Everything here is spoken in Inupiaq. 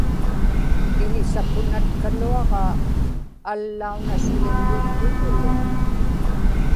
iḷisakunatkaluaġaa allaunasugimmivḷugu-lu